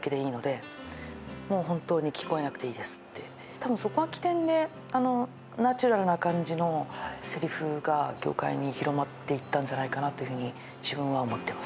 多分そこが起点であのナチュラルな感じの台詞が業界に広まって行ったんじゃないかなというふうに自分は思ってます。